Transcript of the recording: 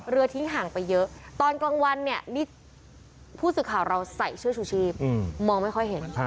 ทิ้งห่างไปเยอะตอนกลางวันเนี่ยนี่ผู้สื่อข่าวเราใส่เสื้อชูชีพมองไม่ค่อยเห็น